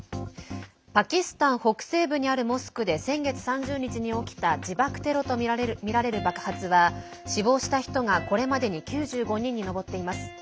パキスタン北西部にあるモスクで先月３０日に起きた自爆テロとみられる爆発は死亡した人がこれまでに９５人に上っています。